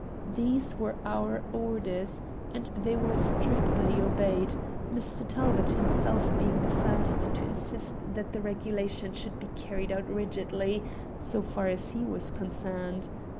These were our orders, and they were strictly obeyed, Mr. Talbot himself being the first to insist that the regulation should be carried out rigidly, so far as he was concerned.